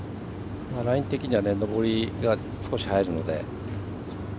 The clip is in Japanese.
ライン的には上りが少し入るので。